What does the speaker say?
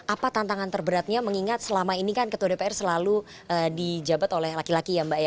apa tantangan terberatnya mengingat selama ini kan ketua dpr selalu dijabat oleh laki laki ya mbak ya